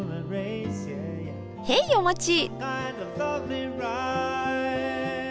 へいお待ち！